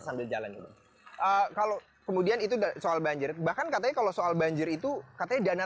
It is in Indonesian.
sambil jalan ini kalau kemudian itu soal banjir bahkan katanya kalau soal banjir itu katanya dana